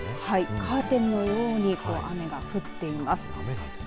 カーテンのように雨が降っています。